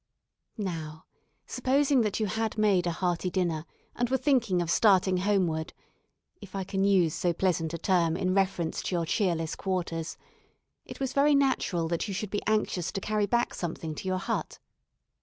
Now, supposing that you had made a hearty dinner and were thinking of starting homeward if I can use so pleasant a term in reference to your cheerless quarters it was very natural that you should be anxious to carry back something to your hut.